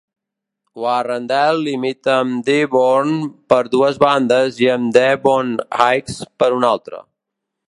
Warrendale limita amb Dearborn per dues bandes i amb Dearborn Heights per una altra.